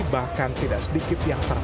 bahkan tidak sedikit yang terkenal